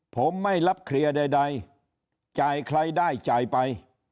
ผมไม่รับเคลียร์ใดจ่ายใครได้จ่ายไป